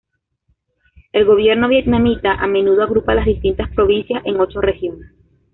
El gobierno vietnamita a menudo agrupa las distintas provincias en ocho regiones.